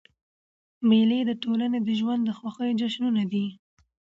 مېلې د ټولني د ژوند د خوښیو جشنونه دي.